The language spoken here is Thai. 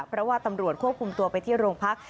เพราะว่าตำรวจควบคุมตัวไปที่โรงพัก